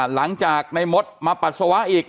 หลังจากในมดมาปัสสาวะอีก